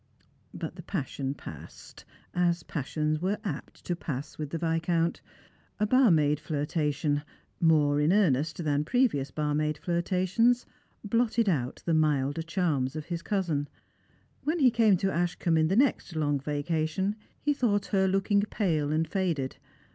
But the passion passed — as passions were apt to pass with the Viscount. A barmaid flirtation — more in earnest than pre vious barmaid flirtations — blotted out the milder charms of his cousin. When he came to Ashcombe in the next long vacation, he thought her looking pale and faded.